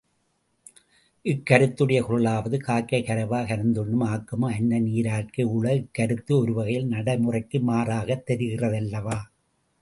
இக்கருத்துடைய குறளாவது காக்கை கரவா கரைந்துண்ணும் ஆக்கமும் அன்னநீ ரார்க்கே உள இக்கருத்து ஒருவகையில் நடைமுறைக்கு மாறாகத் தெரிகிறதல்லவா?